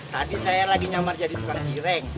tadi saya lagi nyamar jadi tukang cireng